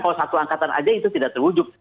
kalau satu angkatan aja itu tidak terwujud